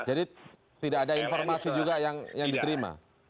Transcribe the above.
jadi tidak ada informasi juga yang diterima